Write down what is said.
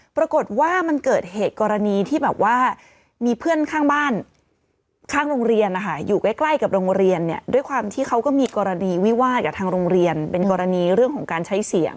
ปรากฏว่ามันเกิดเหตุกรณีที่แบบว่ามีเพื่อนข้างบ้านข้างโรงเรียนนะคะอยู่ใกล้กับโรงเรียนเนี่ยด้วยความที่เขาก็มีกรณีวิวาสกับทางโรงเรียนเป็นกรณีเรื่องของการใช้เสียง